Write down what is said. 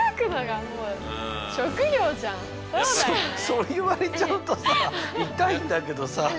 そう言われちゃうとさ痛いんだけどさ。